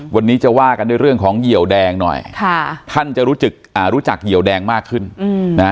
วันนี้จะว่ากันด้วยเรื่องของเหยียวแดงหน่อยท่านจะรู้จักเหยียวแดงมากขึ้น